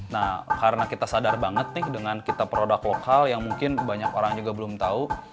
nah karena kita sadar banget nih dengan kita produk lokal yang mungkin banyak orang juga belum tahu